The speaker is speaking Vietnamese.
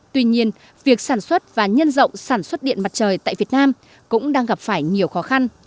tuy nhiên việc sản xuất và nhân rộng sản xuất điện mặt trời tại việt nam cũng đang gặp phải nhiều khó khăn